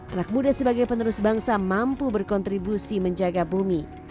anak muda sebagai penerus bangsa mampu berkontribusi menjaga bumi